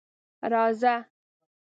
_راځه.